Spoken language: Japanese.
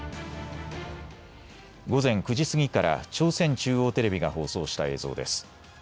午前９時過ぎから朝鮮中央テレビが放送した映像です。